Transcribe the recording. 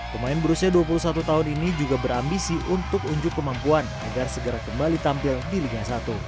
pemain berusia dua puluh satu tahun ini juga berambisi untuk unjuk kemampuan agar segera kembali tampil di liga satu